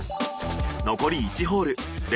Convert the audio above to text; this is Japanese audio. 残り１ホール。